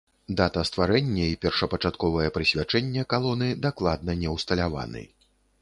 Дата стварэння і першапачатковае прысвячэнне калоны дакладна не ўсталяваны.